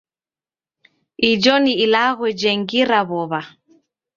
Ijo ni ilagho jengira w'ow'a.